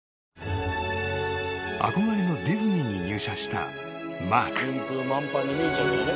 ［憧れのディズニーに入社したマーク］